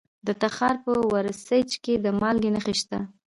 د تخار په ورسج کې د مالګې نښې شته.